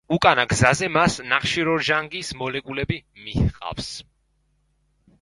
უკანა გზაზე მას ნახშიროჟანგის მოლეკულები მიჰყავს.